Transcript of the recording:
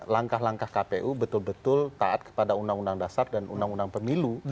langkah langkah kpu betul betul taat kepada undang undang dasar dan undang undang pemilu